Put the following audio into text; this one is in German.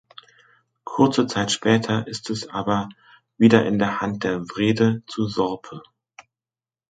Kurze Zeit später ist es aber wieder in der Hand der Wrede zu Sorpe.